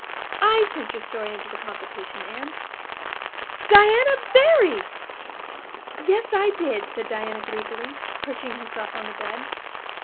I sent your story into the competition, Anne." "Diana—Barry!" "Yes, I did," said Diana gleefully, perching herself on the bed.